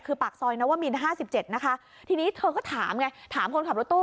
คือปากซอยนวมินห้าสิบเจ็ดนะคะทีนี้เธอก็ถามไงถามคนขับรถตู้